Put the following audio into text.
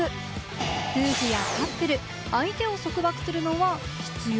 夫婦やカップル、相手を束縛するのは必要？